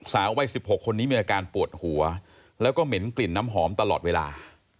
สาววัย๑๖คนนี้มีอาการปวดหัวแล้วก็เหม็นกลิ่นน้ำหอมตลอดเวลา